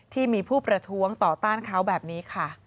ที่มีผู้ประท้วงต่อต้านเขาแบบนี้ค่ะ